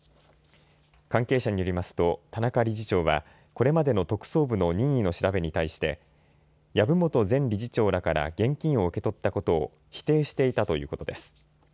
関係者によりますと田中理事長はこれまでの特捜部の任意の調べに対して籔本前理事長らから現金を受け取ったことを否定していたということです。